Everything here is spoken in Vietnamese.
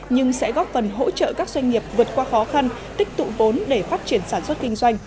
nhưng sẽ góp phần hỗ trợ các doanh nghiệp vượt qua khó khăn tích tụ vốn để phát triển sản xuất kinh doanh